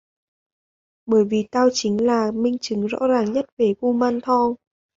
Bởi vì tao chính là minh chứng rõ ràng nhất về kumanthong